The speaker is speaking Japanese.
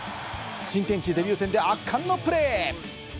新天地デビュー戦で圧巻のプレー。